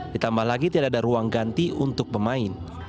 ditambah lagi tidak ada ruang ganti untuk pemain